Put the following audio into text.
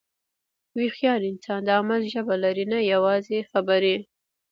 هوښیار انسان د عمل ژبه لري، نه یوازې خبرې.